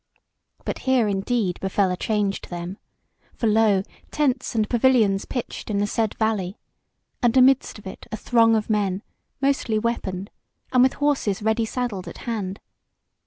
But here indeed befell a change to them; for lo! tents and pavilions pitched in the said valley, and amidst of it a throng of men, mostly weaponed, and with horses ready saddled at hand.